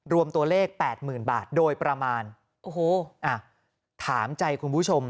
รวมตัวเลขแปดหมื่นบาทโดยประมาณโอ้โหอ่ะถามใจคุณผู้ชม